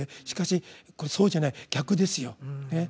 しかしこれそうじゃない逆ですよ。